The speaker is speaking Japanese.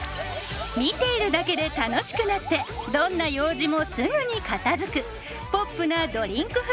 見ているだけで楽しくなってどんな用事もすぐに片づくポップなドリンク風